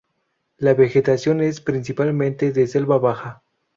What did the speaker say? La vegetación es, principalmente, de selva baja.